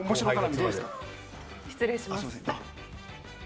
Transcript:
失礼します。